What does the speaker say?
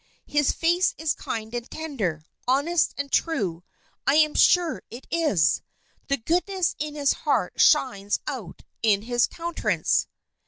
His face is kind and tender, honest and true, I am sure it is! The goodness in his heart shines out in his countenance."